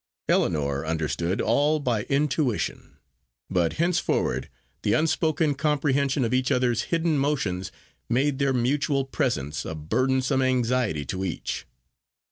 Ellinor understood all by intuition. But henceforward the unspoken comprehension of each other's hidden motions made their mutual presence a burdensome anxiety to each.